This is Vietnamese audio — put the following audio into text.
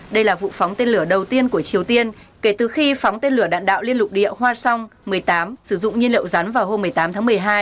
đây là vụ phóng tên lửa đầu tiên của triều tiên kể từ khi phóng tên lửa đạn đạo liên lục địa hoa song một mươi tám sử dụng nhiên liệu rắn vào hôm một mươi tám tháng một mươi hai